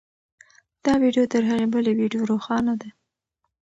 دا ویډیو تر هغې بلې ویډیو روښانه ده.